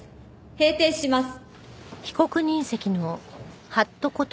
閉廷します。